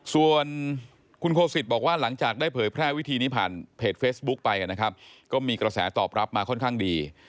ส่วนคุณโคสิตบอกว่าหลังจากได้เผยแพร่วิธีนี้ผ่านเพจเฟซบุ๊คไปนะครับก็มีกระแสตอบรับมาค่อนข้างดี